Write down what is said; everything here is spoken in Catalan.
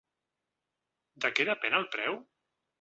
De què depèn el preu?